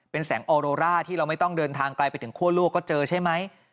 เป็นแสงออโรร่าที่เราไม่ต้องเดินทางไกลไปถึงคั่วโลกก็เจอใช่ไหม